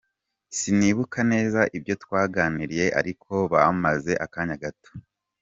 Sinibuka neza ibyo twaganiriye ariko bahamaze akanya gato.